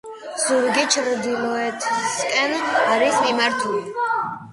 ზურგი ჩრდილოეთისკენ არის მიმართული.